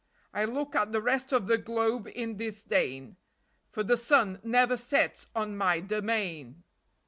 I look at the rest of the globe in disdain,, For the sun never sets on my domain!